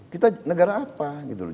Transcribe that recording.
kita negara apa gitu loh